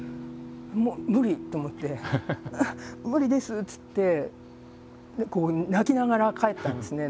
もう無理と思って「無理です」っつって泣きながら帰ったんですね